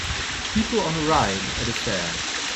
People on a ride at a fair.